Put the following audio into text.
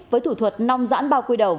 với thủ thuật nong giãn bao quy đầu